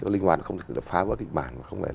linh hoạt không phải là phá vỡ kịch bản